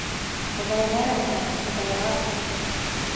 Хоҙайға рәхмәт, Хоҙайға!